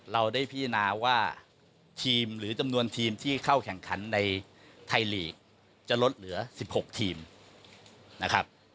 เราได้พิจารณาว่าทีมหรือจำนวนทีมที่เข้าแข่งขันในไทยลีกจะลดเหลือ๑๖ทีมนะครับ